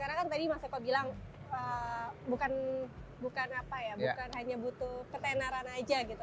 karena kan tadi mas eko bilang bukan hanya butuh ketenaran aja gitu